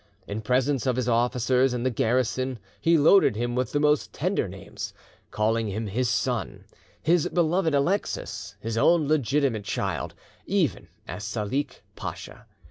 In presence of his officers and the garrison, he loaded him with the most tender names, calling him his son, his beloved Alexis, his own legitimate child, even as Salik Pacha.